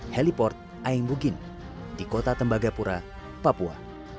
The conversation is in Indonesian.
heliport aingbugin di kota tembagapura papua